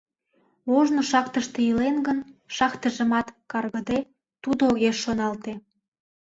Ожно шахтыште илен гын, шахтыжымат, каргыде, тудо огеш шоналте.